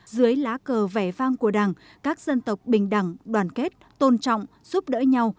dưới lá cờ vẻ vang của đảng các dân tộc bình đẳng đoàn kết tôn trọng giúp đỡ nhau